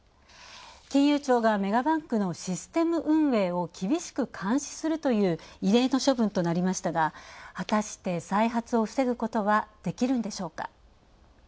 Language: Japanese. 金融庁がメガバンクのシステム運営を厳しく監視するという異例の処分となりましたが、果たして防ぐことはできるんでしょうか。